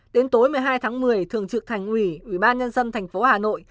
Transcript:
đến tối một mươi hai tháng một mươi thường trực thành ủy ủy ban nhân dân thành phố hà nội